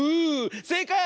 せいかい！